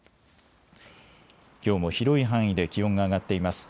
きょうも広い範囲で気温が上がっています。